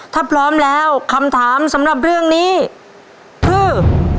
ถ้าพร้อมแล้วคำถามสำหรับเรื่องนี้คือ